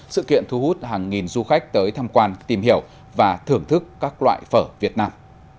sự kiện thu hút hàng nghìn du khách tới tham quan tìm hiểu và thưởng thức các loại phở việt nam